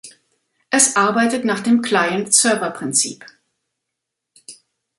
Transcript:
Es arbeitet nach dem Client-Server-Prinzip.